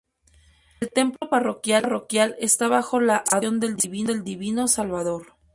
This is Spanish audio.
El templo parroquial está bajo la advocación del Divino Salvador.